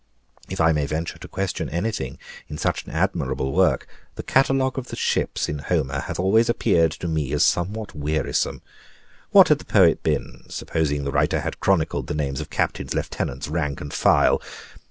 If I may venture to question anything in such an admirable work, the catalogue of the ships in Homer hath always appeared to me as somewhat wearisome; what had the poem been, supposing the writer had chronicled the names of captains, lieutenants, rank and file?